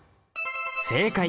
正解！